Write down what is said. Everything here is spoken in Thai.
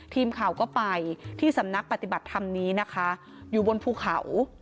ทีมข่าวก็ไปที่สำนักปฏิบัติธรรมนี้นะคะอยู่บนภูเขา